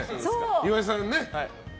岩井さんもね。